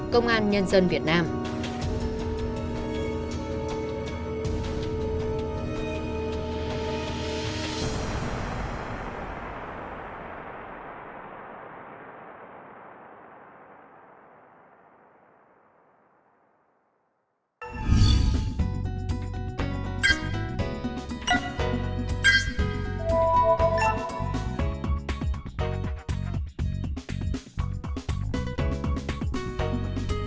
công an cả nước nói chung